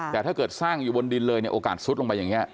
แต่ถ้าเกิดสร้างอยู่บนดินเลยเนี่ยโอกาสซุดลงไปอย่างนี้